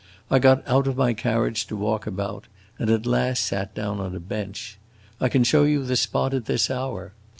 I got out of my carriage to walk about, and at last sat down on a bench. I can show you the spot at this hour.